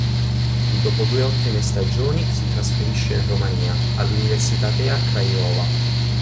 Dopo due ottime stagioni si trasferisce in Romania, all'Universitatea Craiova.